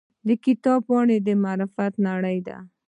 د کتاب پاڼې د معرفت نړۍ ده.